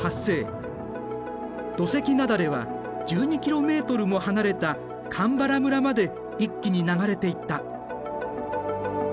土石なだれは１２ｋｍも離れた鎌原村まで一気に流れていった。